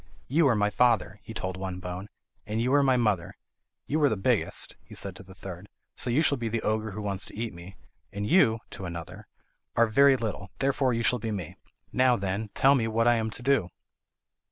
"You are my father," he told one bone, "and you are my mother. You are the biggest," he said to the third, "so you shall be the ogre who wants to eat me; and you," to another, "are very little, therefore you shall be me. Now, then, tell me what I am to do."